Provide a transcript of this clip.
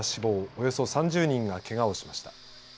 およそ３０人がけがをしました。